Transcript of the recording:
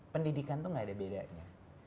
pendidikan itu gak ada bedanya